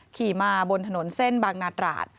ขี่มาบนถนนเส้นบางนาตราด